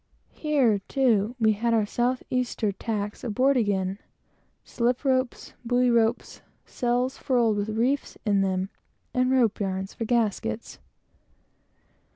Here, too, we had our south easter tacks aboard again, slip ropes, buoy ropes, sails furled with reefs in them, and rope yarns for gaskets.